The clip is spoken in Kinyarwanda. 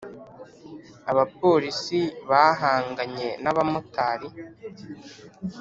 abapolisi bahanganye n'abamotari